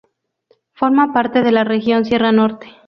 Forma parte de la región Sierra Norte.